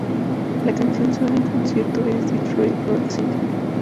La canción que suena en el concierto es Detroit Rock City.